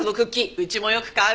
うちもよく買う。